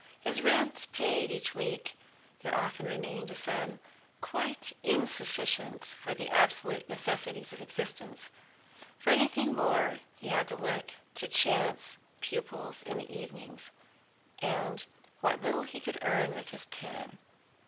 His rent paid each week, there often remained a sum quite insufficient for the absolute necessities of existence; for anything more, he had to look to chance pupils in the evenings, and what little he could earn with his pen.